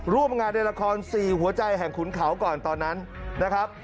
ร่วมงานในละคร๔หัวใจแห่งขุนเขาก่อนตอนนั้นนะครับ